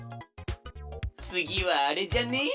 つぎはあれじゃね？